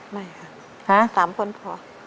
ไม่ค่ะ๓คนพอ